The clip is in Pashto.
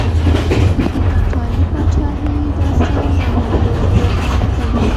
د تقالي پاچاهۍ داستان دا موضوع ښه روښانه کوي.